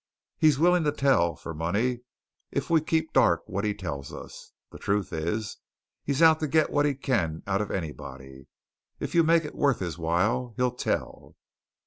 He's willing to tell for money if we keep dark what he tells us. The truth is, he's out to get what he can out of anybody. If you make it worth his while, he'll tell."